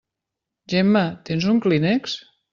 Gemma, tens un clínex?